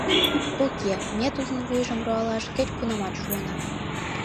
Уке, ме тудын вуйжым руалаш кеч-кунамат шуына.